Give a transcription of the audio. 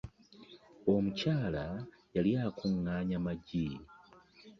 Omukyala yali akungaanya magi.